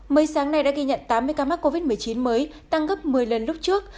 mới sáng nay đã ghi nhận tám mươi ca mắc covid một mươi chín mới tăng gấp một mươi lần lúc trước